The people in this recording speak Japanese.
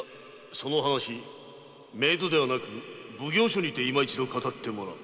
その話冥土ではなく奉行所にていま一度語ってもらおう！